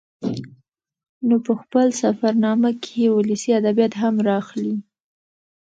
نو په خپله سفر نامه کې يې ولسي ادبيات هم راخلي